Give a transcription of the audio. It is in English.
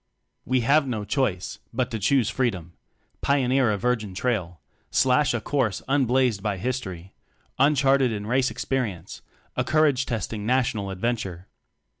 We have no choice but to choose freedom: pioneer a virgin trail, slash a course unblazed by history, uncharted in race experi ence a courage testing National Ad venture.